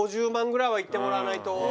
５０万ぐらいはいってもらわないと。